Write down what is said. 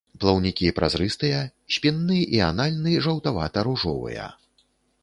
Плаўнікі празрыстыя, спінны і анальны жаўтавата-ружовыя.